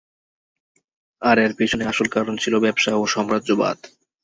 আর এর পিছনে আসল কারণ ছিল ব্যবসা ও সাম্রাজ্যবাদ।